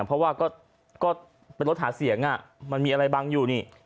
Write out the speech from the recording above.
เพราะว่าก็เป็นรถหาเสียงมันมีอะไรบังอยู่นี่